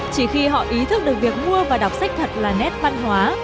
chỉ khi họ ý thức được việc mua và đọc sách thật là nét văn hóa